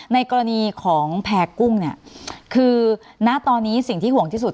ในกรณีของแพร่กุ้งเนี่ยคือณตอนนี้สิ่งที่ห่วงที่สุด